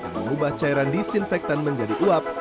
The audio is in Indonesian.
mengubah cairan disinfektan menjadi uap